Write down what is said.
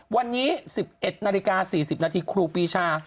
วันนี้๑๑นาฬิกา๔๐นาทีครูปีชา